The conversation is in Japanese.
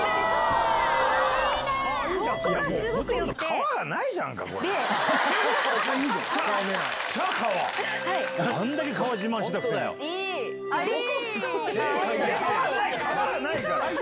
川がないから。